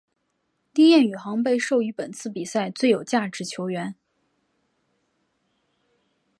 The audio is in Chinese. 丁彦雨航被授予本次比赛最有价值球员。